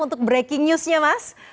untuk breaking newsnya mas